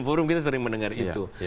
forum kita sering mendengar itu